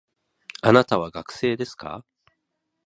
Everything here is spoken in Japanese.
あなたは学生ですか